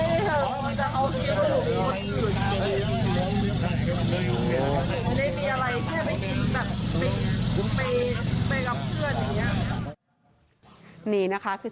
นี่นะคะคือโชว์บ้านนี้ครับ